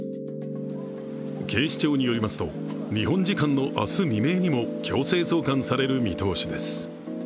警視庁によりますと日本時間の明日未明にも強制送還される見通しです。